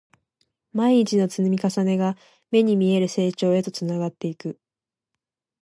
毎日の積み重ねが、目に見える成長へとつながっていく